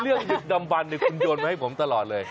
ดึกดำบันคุณโยนมาให้ผมตลอดเลย